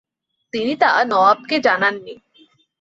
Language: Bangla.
তিনি তা নওয়াবকে জানান নি।